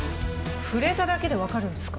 触れただけで分かるんですか？